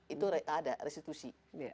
itu ada restitusi